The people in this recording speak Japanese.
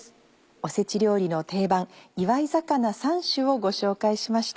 おせち料理の定番「祝い肴３種」をご紹介しました。